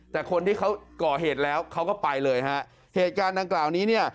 แต่คนที่เขาก่อเหตุแล้วเขาก็ไปเลยฮะเหตุการณ์ดังกล่าวนี้เนี่ย